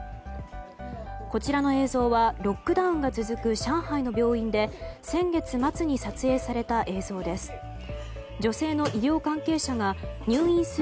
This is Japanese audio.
こちらの映像はロックダウンが続く上海の病院で先月末に撮影された映像です。